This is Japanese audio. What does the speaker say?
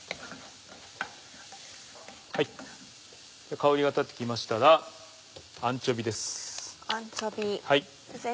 香りが立ってきましたらアンチョビーです。